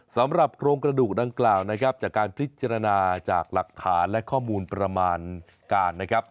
โครงกระดูกดังกล่าวนะครับจากการพิจารณาจากหลักฐานและข้อมูลประมาณการนะครับ